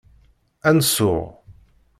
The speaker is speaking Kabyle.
Ad nsuɣ.